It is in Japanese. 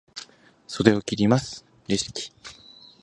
袖を切ります、レシキ。